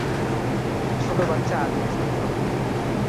ছোট বাচ্চা আদুরে সব শব্দ করবে!